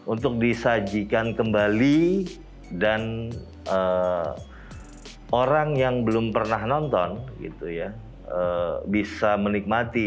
untuk disajikan kembali dan orang yang belum pernah nonton gitu ya bisa menikmati